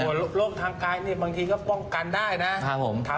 โรคทางกายเนี่ยบางทีก็ป้องกันได้นะ